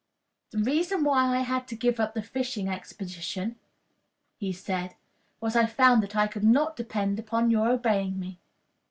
"The reason why I had to give up the fishing expedition," he said, "was, I found that I could not depend upon your obeying me."